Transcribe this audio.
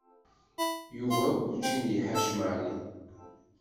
Yuba werǧin i iḥac Mary.